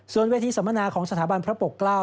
ส่วนเวทีสัมมนาของสถาบันพระปกเกล้า